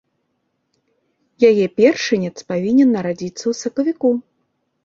Яе першынец павінен нарадзіцца ў сакавіку.